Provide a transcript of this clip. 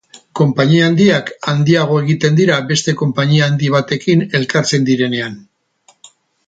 Konpainia handiak handiago egiten dira beste konpainia handi batekin elkartzen direnean.